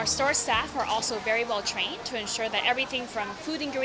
stor staff kami juga sangat berlatih untuk memastikan bahwa segala hal dari makanan